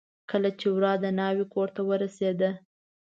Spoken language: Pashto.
کله چې ورا د ناوې کورته ور ورسېده.